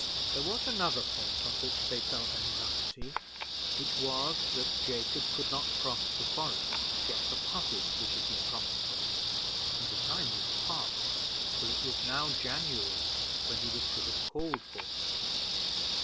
There was another point on which they felt anxiety, which was, that Jacob could not cross the forest to get the puppies which had been promised them, and the time was passed, for it was now January, when he was to have called for them.